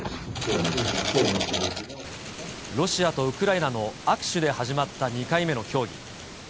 ロシアとウクライナの握手で始まった２回目の協議。